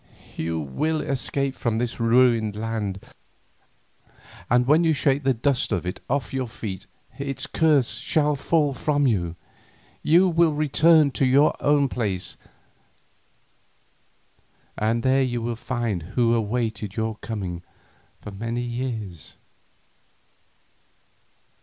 You will escape from this ruined land, and when you shake the dust of it off your feet its curse shall fall from you; you will return to your own place, and there you will find one who has awaited your coming for many years.